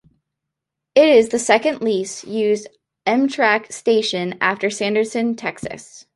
It is the second least used Amtrak station after Sanderson, Texas.